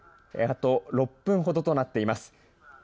あと６分ほどとなっています。